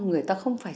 người ta không phải